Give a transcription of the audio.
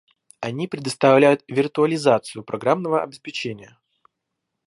Они предоставляют виртуализацию программного обеспечения